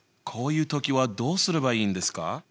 こういう時はどうすればいいんですか？